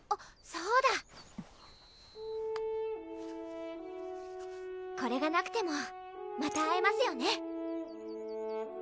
そうだこれがなくてもまた会えますよね